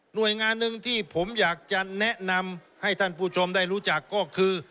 โดยงานหนึ่งที่ผมอยากจะแนะนำให้ท่านผู้ชมได้รู้จักก็คือ